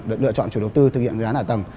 được lựa chọn chủ đầu tư thực hiện dự án hạ tầng